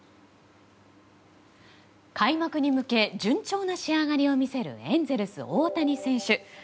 開幕に向け順調な仕上がりを見せるエンゼルス大谷選手。